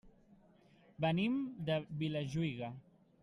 Venim de Vilajuïga.